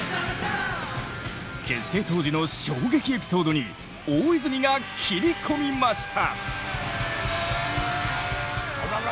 結成当時の衝撃エピソードに大泉が切り込みました。